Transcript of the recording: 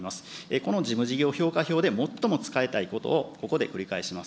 この事務事業評価票で最も伝えたいこと、ここで繰り返します。